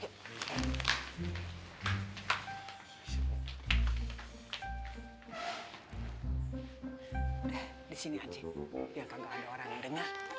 disini aja biar kagak ada orang denger